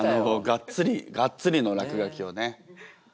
がっつりがっつりの落書きをね。